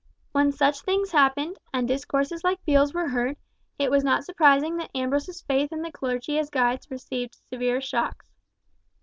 When such things happened, and discourses like Beale's were heard, it was not surprising that Ambrose's faith in the clergy as guides received severe shocks.